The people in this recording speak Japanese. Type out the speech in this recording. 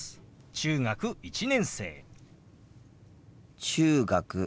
中学１年生。